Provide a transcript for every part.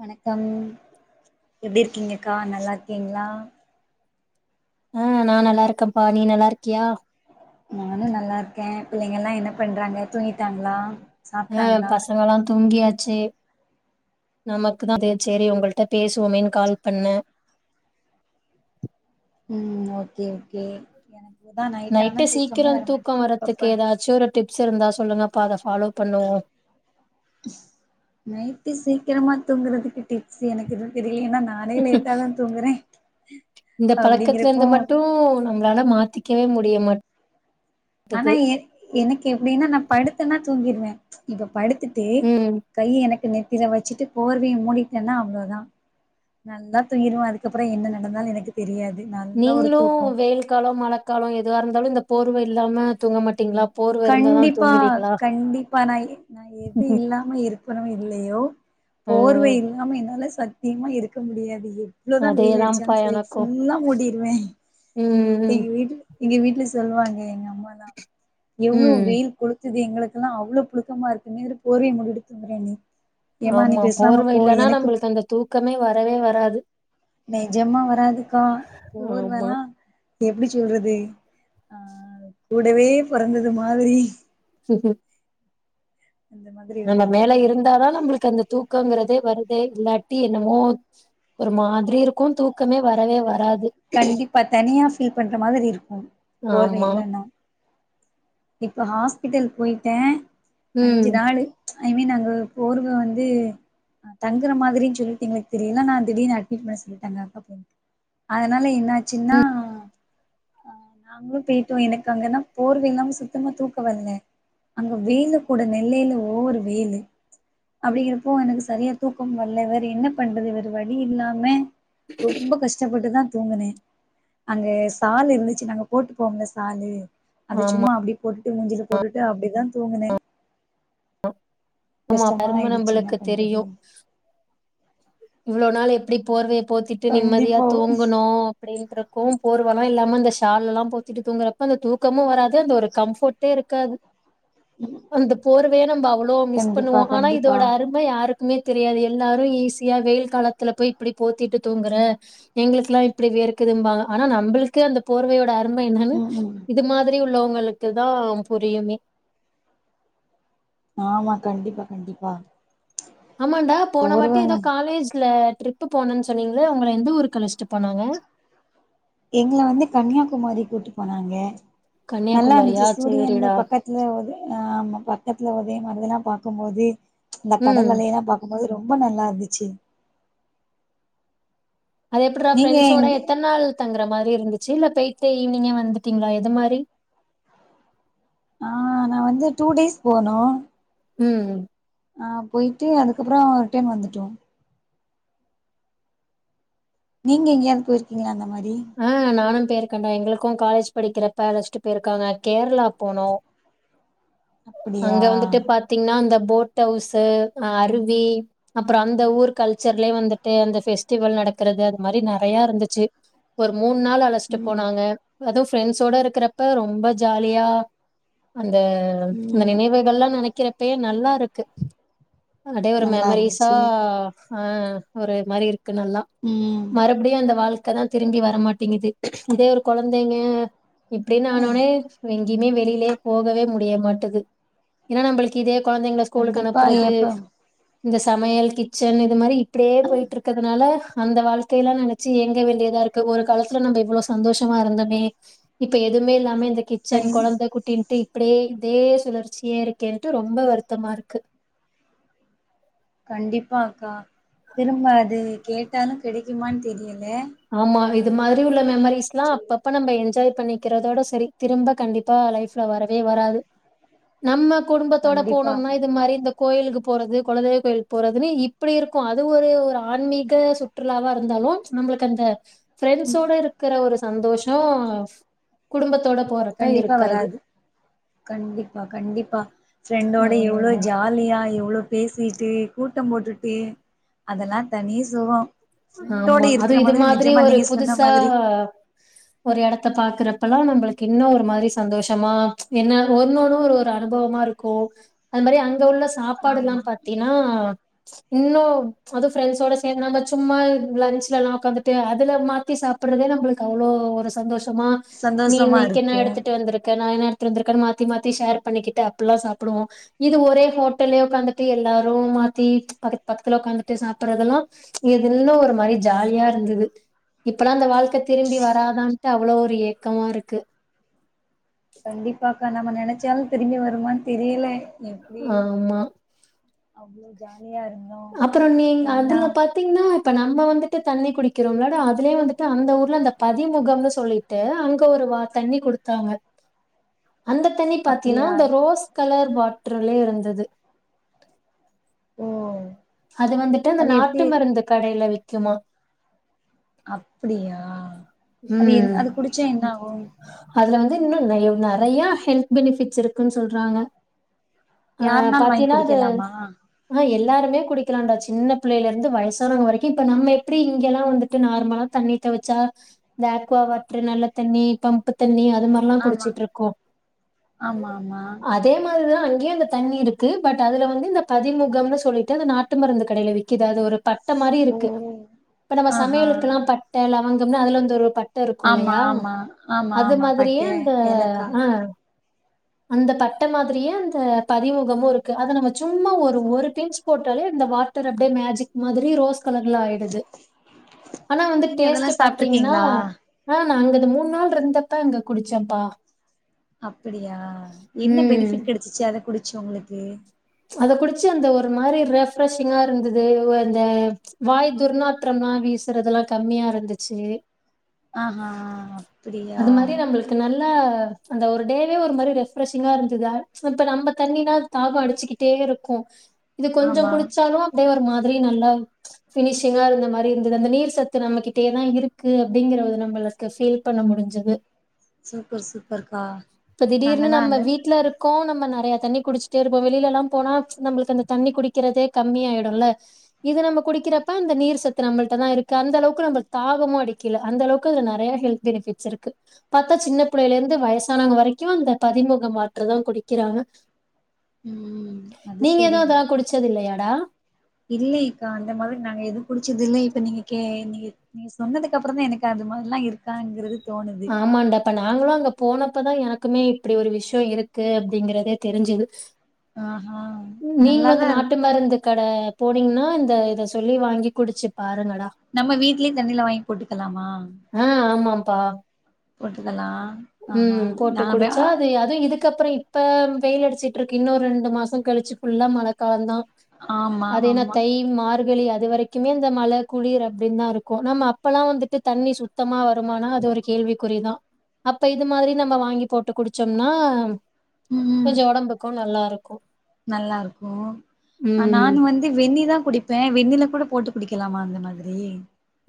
வணக்கம் எப்டி இருக்கிங்கக்கா நல்லா இருக்கிங்களா ஆ நான் நல்லா இருக்கன்ப்பா நீ நல்லா இருக்கியா நானு நல்லா இருக்கே பிள்ளைங்க எல்லா என்ன பண்றாங்க தூங்கிட்டாங்களா ஆ சாப்ட்டாங்களா பசங்கலா தூங்கியாச் சி நமக்கு தா அது சேரி உங்கள்ட்ட பேசுவோமேனு கால் பண்ண ம் ஓகே ஓகே எனக் நைட்டு சீக்கிரம் தூக்கம் வரத்துக்கு எப்பப்ப எதாச்சி ஒரு டிப்ஸ் இருந்தா சொல்லுங்கப்பா அத ஃபாலோ பண்ணுவோ நைட்டு சீக்கிரமா தூங்கறதுக்கு டிப்ஸ் எனக்கு எதும் தெரி இல்லன்னா நானே லேட்டாதா தூங்கறே [unintelligible] இந்த பழக்கத்லந்து மட்டு நம்ளால மா த்திக்கவே முடியமாட் ஆனா எ எனக்கு எப்டின்னா நா படுத்தன்னா தூங்கிருவே இப்ப படு த்துட்டு ம் கை எனக்கு நெ த்தில வச்சுட்டு போர்வய மூடிட்டன்னா அவ்ளதா நல்லா தூங்கிருவோ அதுக்கப்ற என்ன நடந்தாலு எனக்கு தெரியா நீங்ளு வெயில் காலொ மழக்காலொ எதுவா இருந்தாலு இந்த போர்வ இல்லாம தூங்க மாட்டீங்ளா கண்டிப்பா கண்டிப்பா நா நா எது இல்லாம இருக்கனோ இல்லயோ ஆ போர்வ இல்லாம என்னால சத்தியமா இருக்க முடியாது எ வ்ளோதா வெயில் அதேதான்ப்பா அடிச்சாலு சரி எனக்கு ஃபுல்லா மூடிருவே இப்ப ம் ம் எங்க வீட்ல இங்க வீட்ல சொல்வாங்க எங்கம் மாலா எவ்ளோ ம் வெயில் கொளு த்துது எங்களுக்குல்லா அவ்ளோ புழுக்கமா இருக்குன்னு இதுல போர்வைய மூடிட்டு தூங்குர நீ ஏமா நீ ஆமா பேசாம போர்வ போ இல்லனா எனக்கு நம்பளுக்கு அந்த தூக்கமே வரவே வராது நெஜமா வராதுக்கா ஆமா போர்வலா எப்டி சொல்றது ஆ கூடவே பொறந்தது மாதிரி ஹூஹூ அந்த மாதிரி ஒரு நம்ம இது மேல இருந்தாதா நம்மளுக்கு அந்த தூக் கொங்குறதே வருதே இல்லாட்டி என்னமோ ஒரு மாதிரி இரு கண்டிப்பா தனியா ஃபீல் பண்ற மாதிரி இருக்கு போர்வ ஆமா இல்லன்னா இப்ப ஹாஸ்பிட்டல் போயிட்டே ம் அஞ்சு நாளு ஐ மீன் அங்க போர்வ வந்து தங்குற மாதிரின் சொல்ட்டு எங்களுக்கு தெரியல ஆனா திடீனு அட்மிட் பண்ண சொல்லிட்டாங்க அக்கா பொண்ணுக்கு அதுனால என்னாச்சுன்னா அ நாங்ளு போயிட்டோ எனக்கு அங்கன்னா போர்வ இல்லாம சு த்தமா தூக்க வர்ல அங்க வெயிலு கூட நெல்லைல ஓவர் வெயிலு அப்டிங்கிறப்போ எனக்கு சரியா தூக்கமு வர்ல வேற என்ன பண்றது வேற வழி இல்லாம ரொம்ப கஷ்டப்பட்டுதா தூங்குனே அங்க சால் இருந்துச்சு நாங்க போட்டு போம்ல சாலு அது ஆமா சும்மா அப்டி போட்டு நெஞ்சில போட்டுட்டு அப்பிடித்தா தூங்குனே ஆமா கஷ்டமா ஆயிடுச்சி என்னா பண்றது இவ்வளோ நாள் எப்பிடி போர்வே போத்திட்டு நிம்மதியா கண்டிப்பா தூங்குணோ அப்பிடின்ருக்கு போர்வெலா இல்லாம அந்த ஷால் எல்லா போத்திட்டு தூங்குறப்ப அந்த தூக்கமு வராது அந்த ஒரு கம்ஃபோர் டே இருக்காது அந்த போர்வ வே நம் அவ் அவ்ளோ மிஸ் கண்டிப்பா பண்ணுவோ ஆனா கண்டிப்பா இதோட அரும யாருக் குமே தெரியாது எல்லாரு ஈஸியா வெயில் காலத்துல போய் இப்பிடி போத்திட்டு தூங்குற எங்களுக்குலா இப்பிடி வேர்குதும்பாங்க ஆனா நம்மளுக்கு அந்த போர்வையோட உண்ம என்னானு ம் ம் இது மாதிரி உள் உள்ளோங்களுக்கு தா புரியுமே ஆமா கண்டிப்பா கண்டிப்பா ஆமான்டா போன வாட்டி போர்வங்க ஏதோ காலேஜ்ல ட்ரிப் போனன்னு சொன்னீங்கல்ல உங்கள எந்த ஊருக்கு அழச்ட்டு போனாங்க எங்கள வந்து கன்னியாகுமாரி கூட்டு போனாங்க நல்லா இருந்துச்சி கன்னியாகுமரியா சூரியனு சேரிடா பக்கத்துல உத ஆ ஆமா பக்கத்துல உதயமானதெல்லா பா க்கும்போதே இந்த ம் கடல்லலை இல்லா பாக்கு து ரொம்ப நல்லா இருந்துச்சி அது எப்பிடார ஃப்ரெண்ட்ஸோட எத்தன நாள் தங்கற மாரி இருந்துச்சி இல்ல போயிட்டு ஈவ்னிங் வந்துட்டீங்களா எது மாரி ஆ நா வந்து டூ டேஸ் போனோ ம் ஆ போயிட்டு அதுக்கப்புறோ ரிட்டே வந்துட்டோ நீங்க எங்கேயாது போயிருக்கீங்களா மாரி ஆ நானு போயிருக்கண்டா எங்களுக்கு காலேஜ் படிக்கிறப்ப அலஸ்டு போயிருக்காங்க கேரளா போனோ அப்படியா அங்க வந்துட்டு பாத்தீங்கன்னா அந்த போட் ஹவுஸ்ஸு அ அருவி அப்புறோ அந்த ஊர் கல்ச்சர்லயே வந்துட்டு அந்த பெஸ்டிவல் நடக்கிறத அது மாரி நெறைய இருந்துச்சி மூணு நாள் அழச்சிட்டு ம் போனாங்க அதுவு ஃப்ரெண்ட்ஸோட இருக்கிறப்ப ரொம்ப ஜாலியா அந்த அந்த ம் நினைவுகல்லா நினைக் க்கரப்பயே நல்லா இருக்கு அடியே ஒரு நல்லா மெமரிஸா இருந்துச்சு ஆ ஒரு மாரிருக் குநல்லா ம் மறுபடியு அந்த வாழ்க் கதா திரும்பி வரமாட்டேங்குது இதே ஒரு கொழந்தைங்க இப்டின் ஆனோனே எங்கய்மே வெளிலே போகவே முடிய மாட்டது ஏன்னா நம்மளுக்கு இதே கொழந்தைங்கள ஸ்கூலுக்கு கண்டிப்பா அனுப்புறது எப்ப இந்த சமையல் கிச்சன் இது மாரி ப்படியே போயிட்டு இருக்கிறதுனால அந்த வாழ்க்கைல்லா நினச்சு ஏங்க வேண்டியதா இருக் க்கு ஒரு காலத்துல நம்ம இவ்ளோ சந்தோஷமா இருந்தமே இப்ப எதுவுமே இல்லாமே இந்த கிச்சன் கண் கொழந்த குட்டின் டி இப்டியே இதே சுழற்சியே இருக்கேன்ட்டு ரொம்ப வருத்தமா இருக்கு கண்டிப்பா அக்கா திரும்ப அது கேட்டாலு கெடைக்குமானு தெரியல ஆமா ஆ இது மாதிரி உள்ள மெமரிஸ் எப்டி எல்லா சொல்றது அப்பப்ப நம்ம என்ஜாய் பண்ணிக்கிறதோட சரி திரும்ப கண்டிப்பா லைஃப்ல வரவே வராது நம்ம குடும்பத்தோட கண்டிப்பா போனோம்னா இது மாரி இந்த கோயிலுக்கு போறது கொலதெய்வ கோயிலுக் போறதுன்னு இப்டி இருக்கு அது ஒரு ஒரு ஆன்மீக சுற்றுலாவா இருந்தாலு நம்ம கு கந்த ஃபரெண்ட்ஸோட இருக்கிற ஒருஸ் சந்தோஷோ குடும்பத்தோட போறப்ப கண்டிப்பா இருக்காது. வராது கண்டிப்பா கண்டிப்பா ஃபிரெண்டோட எவ்ளோ ஆமாங்க. ஜாலியா எவ்ளவுப் பேசிட்டு கூட்டோ போட்டுட்டு அதெல்லா தனி சொகொ ஆமா அது இது மாதிரி ஒரு சொன்ன புதுசா மாதிரி ஒரு எடத் த பாக்குறப்பெல்லா நம்மளுக்கு இன்ன ஒரு மாரி சந்தோஷமா என்ன ஒன்னொன்னு ஒரு ஒரு அனுபவமா இருக்கு அது மாரி அங்க உள்ள ச சாப்பாடுலா ஆமா பாத்தின்னா இன்னு அது ஃபிரெண்ட்ஸசோட சேந்தாங் சும்மா லன்ச்ல எல்லா உக்காந்துட்டு அதுல மாத்தி சாப்பிடுறதே நம்மளுக்கு அவ்வளோ ஒரு சந்தோஷ தமா நீ சந்தோஷமா இன்னைக்கு என்ன இருக்கு எடுத்துட்டு வந்திருக்க நா என்ன ட்ருந்திருக்காரு மாத்தி மாத்தி ஷேர் பண்ணிக்கிட்டு அப்பில்லா சாப்பிடுவோ இது ஒரே ஹோட்டல்லயே உக்காந்துட்டு எல்லாரு மாத்தி பக்க பக்கத்துல உக்காந்துட்டு சாப்பிட்றதெல்லா இது இன்னு ஒரு மாரி ஜாலியா இருந்துது இப்பல்லா அந்த வாழ் க்க திரும்பி வராதான் ட்டு அவ்ளோ ஒரு ஏக்கமா இருக்கு கண்டிப்பாக்கா நம்ம நெனைச்சாலு திரும்பி வருமான்னு தெரியல எப்டி ஆமா அவ்ளோ ஜாலி அப்புறோ நீங்க அதுல பாத்தீங்ன்னா இப்ப நம்ம வந்துட்டு தண்ணி குடிக்கிறோல்லடா அதுலயே வந்துட்டு அந்த ஊர்ல அந்த பதிமுகம்னு சொல்லிட்டு அங்க ஒரு வா தண்ணி குடுத்தாங்க அந்த தண்ணி பாத்தீன்னா அப்டியா அந்த ரோஸ் கலர் வாட்ரலியே இருந்தது ஓ அது வந்துட்டு அந்த அது எப்டி நாட்டு மருந்து கடையில வி க்குமா அப்டியா அது ம். இன் அது குடிச்சா என்னாகு அதுல வந்து இன்னு எவ் நெறைய ஹெல்த் பெனிஃபிட்ஸ் இருக்குன்னு சொல்றாங்க. ஆ யாருனால் வாங்கி பாத்தீன்னா அது குடிக்கலாமா ஆ எல் எல்லாருமே குடிக்கலான்டா சின்ன பிள்ளைல இருந்து வயசானவங்க வரைக்கி இப்ப நம்ம எப்பிடி இங்கல்லா வந்துட்டு நார்மலா தண்ணி தவிச்சா இந்த அக்வா வாட்ரு, நல்ல தண்ணி, பம்பு தண்ணி அ து மாரிலா ஆமா குடிச்சுட்ருக்கோ ஆமா ஆமா அதே மாரிதா அங்கயு அந்த தண்ணி இருக்கு. பட் அதுல வந்து இந்த பதிமுகம்னு சொல்லிட்டு அந்த நாட் டு மருந்து கடையில விக்கிது அது ஒரு ப ட்ட மாரி ஓ இருக்கு. இப்ப நம்ம ஆஹா சமையலுக்கெல்லா பட்ட லவங் கம்னா அதுல இருந்து ஒரு பட் ட இருக்கு ஆமா இல்லையா ஆமா ஆமா அது ஆமா மாதிரியே பட்ட அந்த ஏலக்கா ஆ அந்த தட்ட மாதிரியே அந்த பதிமுகமு இருக்கு அத நம்ம சும்மா ஒரு ஒரு பிஞ்ச் போட்டாலே இந்த வாட்டர் அப்டியே மேஜிக் மாதிரி ரோஸ் கலர்ல ஆயிடுது. ஆனா வந்து நீங்க அதெல்லா டேஸ்ட் பாத்தீங்ன்னா சாப்ட்ருக்கீங்களா ஆ நாங்க அந்த மூணு நாள் இருந்தப்ப அங்க குடிச்சேம்ப்பா அப்பிடியா என்ன பெனிஃபிட் கெடைச்சிச்சு அத குடிச் சவுங்களுக்கு அத குடிச்சு அந்த ஒரு மாரி ரெஃப்ரஷிங்கா இருந்தது அந்த வாய் துர்நாற்றம்லா வீசுறதுலா கம்மியா இருந்துச்சு ஆஹா அப்புடியா ல அந்த ஒரு டே வே ஒரு மாரி ரெஃப்ரஷிங்கா இருந்தது இப்ப நம்ப தண்ணினா தாக அடிச்சுக்கி ட்டே இருக்கு இது கொஞ்சொ ஆமா குடிச்சாலு அப்டியே ஒரு மா திரி நல்லா ஃபினிஷிங்கா இருந்த மாரி இருந்தது அந்த நீர் சத்து நம்மகிட்டயேதா இருக்கு அப்டிங்கிறத நம்மளுக்கு ஃபீல் பண்ண முடிஞ்சது சூப்பர் சூப்பர்க்கா இப்ப திடீர்னு நாங்கல்லா நம்ம அந்த வீட்ல இருக்கோ நம்ம ந றைய தண்ணி குடிச்சிட்டே இருப்போ வெளிலல்லா போனா நம்பளுக்கு அந்த தண்ணி குடிக்கிறதே கம்மி ஆயிடுல்ல இது நம்ம குடிக்கிறப்ப அந்த நீர் சத்து நம்மள்டதா இருக்கு அந்தளவுக்கு நம்ம தாகமு அடிக்கல அந்த அளவுக்கு அதுல நெறைய ஹெல்த் பெனிபிட்ஸ் இருக்கு பாத்தா சின்ன புள்ளயிலெந்து வயசானவ்ங்க வரைக்கு அந்த பதிமுகம் மாற்று தா குடிக்கிறாங்க ம் நீங்க எது அதலா குடிச்சதில்லயாடா இல்லயெக்கா அந்த மாதிரி நாங்க எது குடிச்சதுல்லை இப்ப நீங்க கே நீங்க நீங்க சொன்னதுக்கப்றந்தா எனக்கு அது மாரிலா இருக்காங்குறது ஆமாண்டா இப்ப நாங்களு அங்க போன ப்பதா எனக்குமே இப்டி ஒரு விஷயொ இருக்கு அப்டிங்குறதே தெரிஞ்சது ஆஹா நீங்களு நல்லாதா அந்த இருக்கு நாட்டு மருந்து கட போனீங்னா இந்த இத சொல்லி வாங்கி குடுச்சு பாருங்க நம்ம வீட்லயு தண்ணில வாங்கி போட்டுக்கலாமா டா போட்டுக்கலா ஆஹா ம் போட்டு நாங்க குடுச்சா அது அது இதுக்கப்றே இப்ப வெயில் அடிச்சிட்ருக்கு இன்னு ரெண்டு மாச கழிச்சு ஃபுல்லா மழக்காலந்தா ஆமா அதேனா ஆமா தை மார்கழி அ து வரைக்குமே இந்த மழ குளிர் அப்டின் தா இருக்கு நம்ம அப்பலா வந்துட்டு தண்ணி சுத்தமா வருமானா அது ஒரு கேள்விக்குறிதா அப்ப இது மாதிரி நம்ம வாங்கி போட்டு குடுச்சோம்னா கொஞ்சொ ஒடம்புக்கு நல்லா ருக்கு நல்லாருக்கு அ நானு வந்து வெந்நிதா குடிப்பே வெந்நில கூட போட்டு குடிக்கலாமா அந்த மாதிரி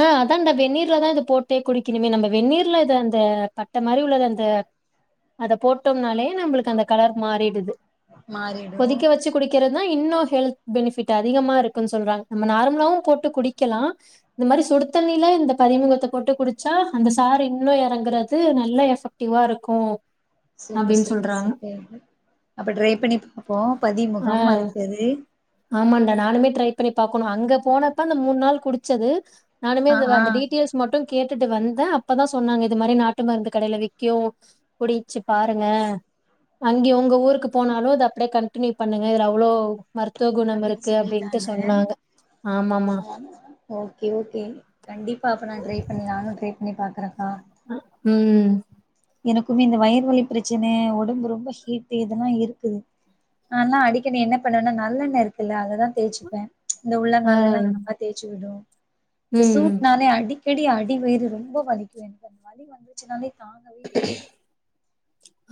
ஆ அதான்டா வெந்நீர்ல தா இது போட்டே குடிக்கணுமே நம்ம வெந்நீர்ல இது அந்த பட்ட மாரி உள்ளத அந்த அத போட்டோம்னாலே நம்மளுக்கு அந்த கலர் மாறிடுது மாறிடு கொதிக்க வச்சு குடிக்கிற தா இன்னு ஹெல்த் பெனிஃபிட் அதிகமா இருக்குன் சொல்றாங்க நம்ம நார்மலாவு போட்டு குடிக்கலா இந்த மாரி சுடு தண்ணில இந்த பதிமுகத்த போட்டு குடிச்சா அந்த சாறு இன்னு எறங்குறது நல்லா எஃபெக்டிவா இருக்கு சூப்பர் அப்டின்னு சூப்பர் சொல்றாங்க சுப்பர் அப்ப ட்ரை பண்ணி பாப்போ ஆ பதிமுகம் அது பெரு ஆமாண்டா நானுமே ட்ரை பண்ணி பாக்கணு அங்க போனப்ப அந்த மூணு நாள் குடிச்சது நானுே ஆ ஆ அந்த டீட்டெயல்ஸ் மட்டு கேட்டுட்டு வந்தே அப்பதா சொன்னாங்க இது மாரி நாட்டு மருந்து கடையில விக்கு குடிச்சு பாருங்க அங்கே உங்க ஊருக்கு போனாலு அத அப்டியே கன் டினியு பண்ணுங்க இதுல அவ்ளோ மருத் அப்டின்னு சொல்லிட்டாங்க ஆமாமா அ ஓகே ஓகே கண்டிப்பா அப்ப நா ட்ரை பண்லானு நானு பண்ண பாக்குறே உ உ எனக்குமே இந்த வயிறு வலி பிரச்சன ஒடம்பு ரொம்ப ஹீட் இதெல்லா இருக்குது நானல்லா அடிக்கடி என்ன பண்ணுவன்னா நல்லெண்ணய இருக்குல்ல அததா தேய்ச்சுப்பே இந்த ஆ உள்ளங்கால்லல எங்கப்பா தேய்சு விடு இந்த ம் சூட் நாலே அடிக் கடி அடிவேயறு ரொம்ப வலிக்கு எனக்கு அந்த வலி வந்துச்சுனாலே தாங்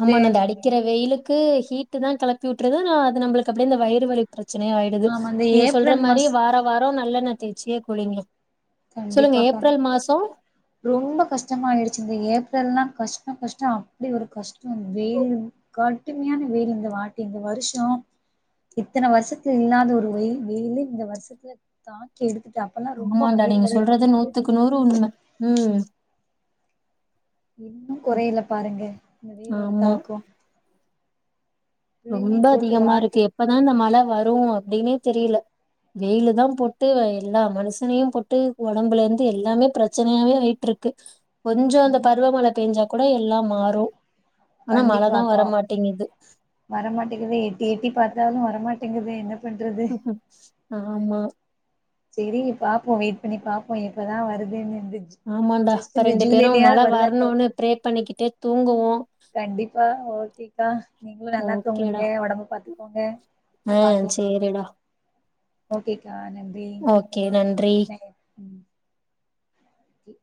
இந்த ஆமா நா அந்த அடிக்கிற வெயிலு கு ஹீட்டு தா கெளப்பி விட்டுறது ஆனா அது நம்ளுக்கு அப்டிய வயிறு வலி பிரச்சனய ஆயிடுது ஆமா இந்த நீங்க சொல்ற ஏப்ரல் மாரி மாச வார வாரம் நல்எண்ன தேச்சியே குளிங்க சொல்லுங்க கண்டிப்பாக்க ஏப்ரல் மாசோ ரொம்ப கஷ்டமா ஆயிருச்சு இந்த ஏப்ரல்லா கஷ் [unintelligible] கஷ்டம் அப்டி ஒரு கஷ்டம் வெயில் கட்டுமையான வெயில் இந்த வாட்டி இந்த வருஷ இத்தன வருஷத்துல இல்லாத ஒரு வெயில் வெயிலு இந்த வருஷத்துல தாக்கி எடுக் அப்பல்ல ரொம்ப ஆமாண்டா வயிறு நீங்க சொல்றது நூத்துக்கு நூறு உண்ம உ இன்னு குறையில பாருங்க இந்த வெயிலோட ஆமா தாக்கோ ரொம்ப பிள்ளைகளையு போட்டு அதிகமா இருக்கு வாட்டி எப்பதா இந்த மழ வரும் அப்டின்னே தெரியல வெயில தா போட்டு எல்லா மனுஷனையு போட்டு ஒடம்புல இருந்து எல்லாமே பிரச்சனயாவே ஆயிட்ருக்கு கொஞ்சோ அந்த பருவ மழ பெஞ்சா கூட எல்லா மாறு ஆனா மழதா கண்டிப்பாக்கா வரமாட்டேங்குது வரமாட்டேங்குது எட்டி எட்டி பாத்தாலு வரமாட்டேங்குது என்ன பண்றது ஹாப் பாக்ஸ் ஆமா சரி பாப்போ வெயிட் பண்ணி பாப்போ எப்ப தா வருதுனு ஆமாண்டா இப்ப ரெண்டு பேரு மழ வருதான்னு வரணுன்னு பாப்போ ப்ரே பண்ணிக்கிட்டே தூங்குவோ கண்டிப்பா ஓகேக்கா. நீங்களு நல்லா தூங்குங்க. ஓகேடா ஒடம்ப பாத்து க்கோங்க ஆ சேரிடா ஓகேக் கா நன்றி ஓகே நன்றி தேங் ம் கி